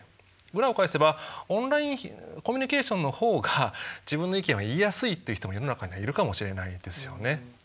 裏を返せばオンラインコミュニケーションの方が自分の意見は言いやすいっていう人も世の中にはいるかもしれないですよね。